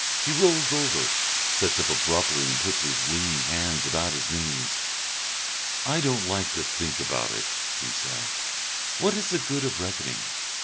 He rolls over, sits up abruptly and puts his lean hands about his knees. "I don't like to think about it," he says. "What is the good of reckoning